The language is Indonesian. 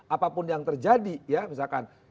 apapun yang terjadi misalkan